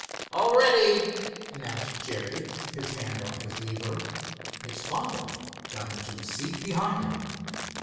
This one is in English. "All ready," announced Jerry, his hand on his lever. His father got into the seat behind him.